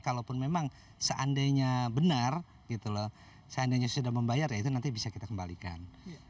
kalaupun memang seandainya benar gitu loh seandainya sudah membayar ya itu nanti bisa kita kembalikan